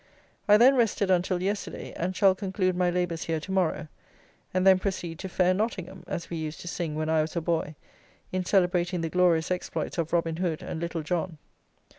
I then rested until yesterday, and shall conclude my labours here to morrow, and then proceed to "fair Nottingham," as we used to sing when I was a boy, in celebrating the glorious exploits of "Robin Hood and Little John."